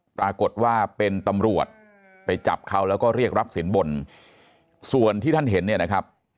ปรากฏว่าเป็นตำรวจไปจับเขาแล้วก็เรียกรับสินบนส่วนที่ท่านเห็นเนี่ยนะครับ